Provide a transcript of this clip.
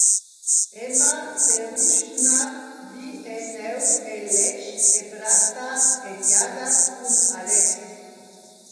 Emma seruschna vi e neu el letg e bratta egliadas cun Alex.